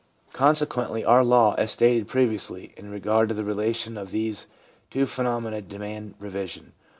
Consequently our law, as stated previously, in regard to the relation of these two phe nomena, demands revision.